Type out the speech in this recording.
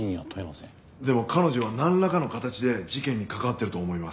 でも彼女はなんらかの形で事件に関わっていると思います。